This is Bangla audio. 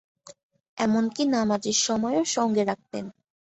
এমনকি নামাযের সময়ও সঙ্গে রাখতেন।